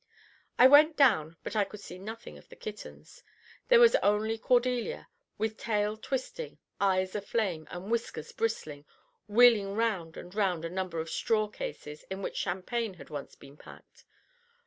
I went down, but I could see nothing of the kittens; there was only Cordelia, with tail twisting, eyes aflame, and whiskers bristling, wheeling round and round a number of straw cases in which champagne had once been packed.